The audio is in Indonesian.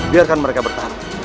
biarkan mereka bertahan